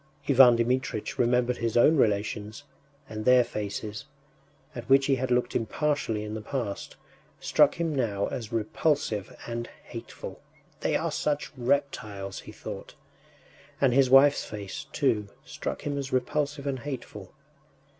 Ivan Dmitritch remembered his own relations, and their faces, at which he had looked impartially in the past, struck him now as repulsive and hateful. “They are such reptiles!” he thought. And his wife’s face, too, struck him as repulsive and hateful.